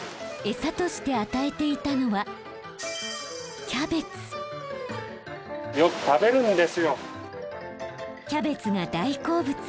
餌として与えていたのはキャベツが大好物。